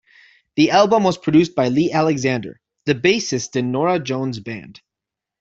The album was produced by Lee Alexander, the bassist in Norah Jones' band.